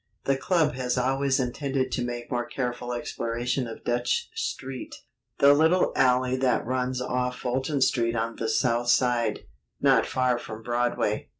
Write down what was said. The club has always intended to make more careful exploration of Dutch Street, the little alley that runs off Fulton Street on the south side, not far from Broadway.